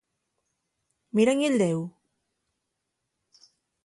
Míren-y el deu.